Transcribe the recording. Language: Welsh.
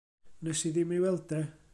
Wnes i ddim ei weld e.